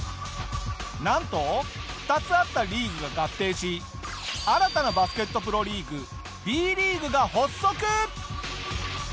なんと２つあったリーグが合併し新たなバスケットプロリーグＢリーグが発足！